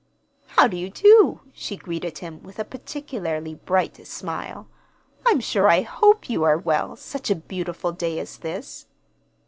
"How do you do?" she greeted him, with a particularly bright smile. "I'm sure I hope you are well, such a beautiful day as this."